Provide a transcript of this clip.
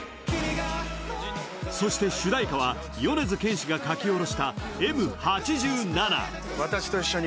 そして主題歌は米津玄師が書き下ろした「Ｍ八七」。